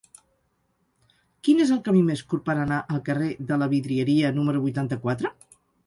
Quin és el camí més curt per anar al carrer de la Vidrieria número vuitanta-quatre?